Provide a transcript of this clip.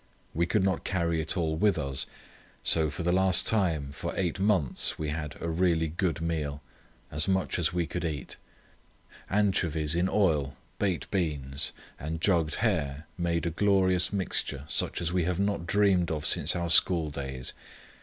We could not carry it all with us, so for the last time for eight months we had a really good meal—as much as we could eat. Anchovies in oil, baked beans, and jugged hare made a glorious mixture such as we have not dreamed of since our school days.